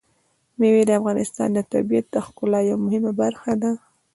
مېوې د افغانستان د طبیعت د ښکلا یوه مهمه برخه ده.